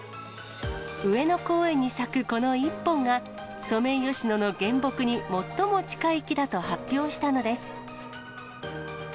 上野公園に咲くこの１本が、ソメイヨシノの原木に最も近い木だと発表したのです。